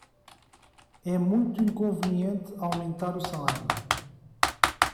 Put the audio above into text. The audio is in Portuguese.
É muito inconveniente aumentar o salário